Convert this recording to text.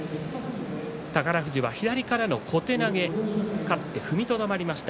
宝富士は左からの小手投げ勝って踏みとどまりました。